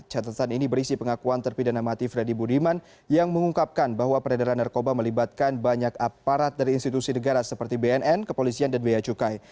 catatan ini berisi pengakuan terpidana mati freddy budiman yang mengungkapkan bahwa peredaran narkoba melibatkan banyak aparat dari institusi negara seperti bnn kepolisian dan beacukai